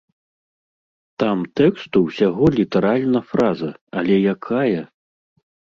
Там тэксту ўсяго літаральна фраза, але якая!